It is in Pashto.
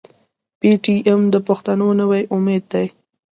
پي ټي ايم د پښتنو نوی امېد دی.